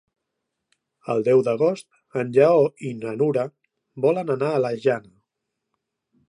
El deu d'agost en Lleó i na Nura volen anar a la Jana.